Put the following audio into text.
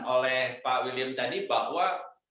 oleh pak william tadi bahwa